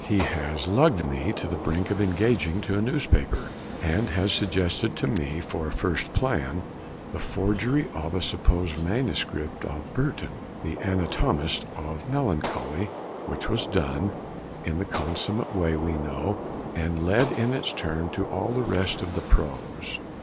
He has lugged me to the brink of engaging to a newspaper, and has suggested to me for a first plan the forgery of a supposed manuscript of Burton, the anatomist of melancholy'; which was done, in the consummate way we know, and led in its turn to all the rest of the prose.